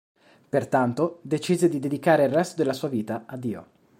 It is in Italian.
Pertanto decise di dedicare il resto della sua vita a Dio.